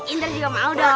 indra juga mau dong